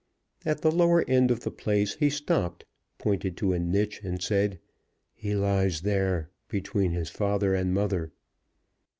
At the lower end of the place he stopped, pointed to a niche, and said, "He lies there, between his father and mother."